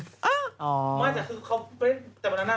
ไม่แต่คือเขา